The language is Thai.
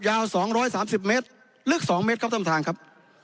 ยาวสองร้อยสามสิบเมตรลึกสองเมตรกับทำทางครับ